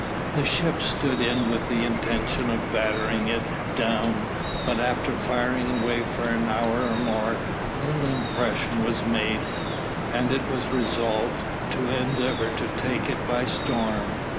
The ship stood in with the intention of battering it down, but after firing away for an hour or more, little impression was made, and it was resolved to endeavour to take it by storm.